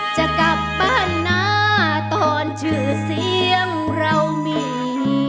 จะกลับบ้านนะตอนชื่อเสียงเรามี